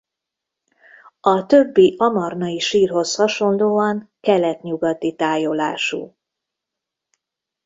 A többi amarnai sírhoz hasonlóan kelet-nyugati tájolású.